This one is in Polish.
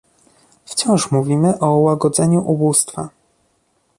Wciąż mówimy o łagodzeniu ubóstwa